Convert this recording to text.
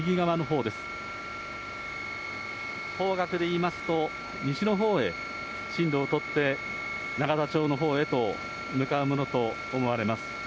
方角でいいますと、西のほうへ進路を取って、永田町のほうへと向かうものと思われます。